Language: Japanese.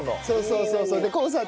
そうそうそうそう。